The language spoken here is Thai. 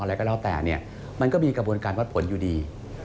อะไรก็แล้วแต่เนี่ยมันก็มีกระบวนการวัดผลอยู่ดี